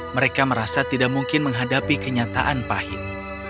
mereka merasa tidak mungkin menghadapi kenyataan pahit